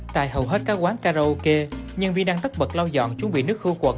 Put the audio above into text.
tại hầu hết các quán karaoke nhân viên đang tất bật lau dọn chuẩn bị nước hưu quẩn